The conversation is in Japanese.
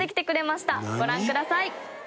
ご覧ください。